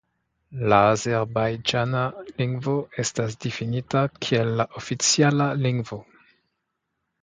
La azerbajĝana lingvo estas difinita kiel la oficiala lingvo.